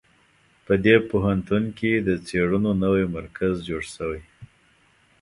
په دې پوهنتون کې د څېړنو نوی مرکز جوړ شوی